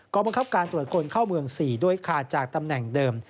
บังคับการตรวจคนเข้าเมือง๔โดยขาดจากตำแหน่งเดิม